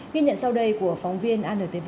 ghi nhận sau đây của phóng viên antv